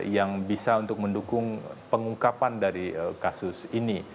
yang bisa untuk mendukung pengungkapan dari kasus ini